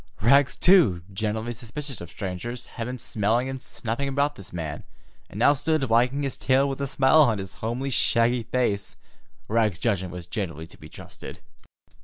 Rags, too, generally suspicious of strangers, had been smelling and snuffing about this man, and now stood wagging his tail with a smile on his homely, shaggy face. Rags's judgment was generally to be trusted.